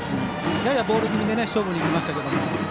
ややボール気味に勝負いきましたけど